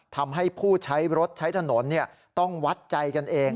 ทำให้ผู้ใช้รถใช้ถนนต้องวัดใจกันเอง